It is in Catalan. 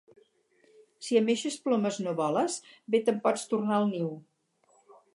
Si amb eixes plomes no voles, bé te'n pots tornar al niu.